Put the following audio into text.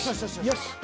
よし。